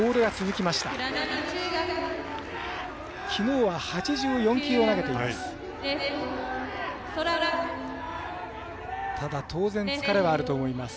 きのうは８４球を投げています。